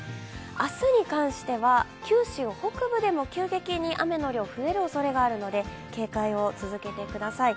明日に関しては、九州北部でも急激に雨の量が増える可能性もあるので、警戒を続けてください。